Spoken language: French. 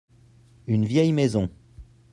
Une vieille maison.